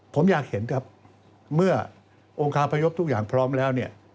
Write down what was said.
ผมอยากเห็นเมื่อองค์ค้าพยศทุกอย่างพร้อมแล้ว